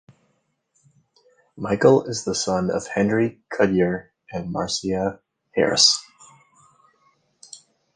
Michael is the son of Henry Cuddyer and Marcia Harris.